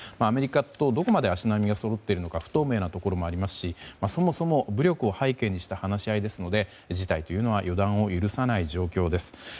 アメリカとどこまで足並みがそろっているのか不透明なところもありますしそもそも武力を背景にした話し合いですので事態は予断を許さない状況です。